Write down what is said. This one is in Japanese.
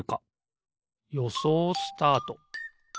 よそうスタート！